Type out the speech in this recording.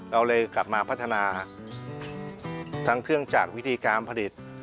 เราเลยกลับมาพัฒนาทั้งเครื่องจักรวิธีการผลิต